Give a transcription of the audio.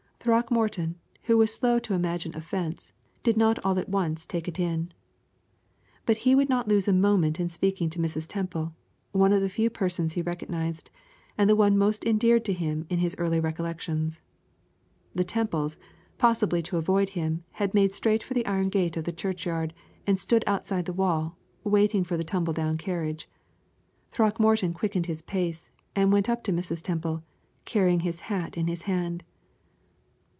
Throckmorton, who was slow to imagine offense, did not all at once take it in. But he would not lose a moment in speaking to Mrs. Temple, one of the few persons he recognized, and the one most endeared to him in his early recollections. The Temples, possibly to avoid him, had made straight for the iron gate of the churchyard, and stood outside the wall, waiting for the tumble down carriage. Throckmorton quickened his pace, and went up to Mrs. Temple, carrying his hat in his hand.